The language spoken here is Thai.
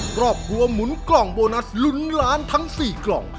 ครอบครัวหมุนกล่องโบนัสลุ้นล้านทั้ง๔กล่อง